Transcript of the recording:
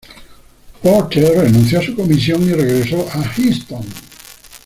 Porter renunció a su comisión y regresó a Easton.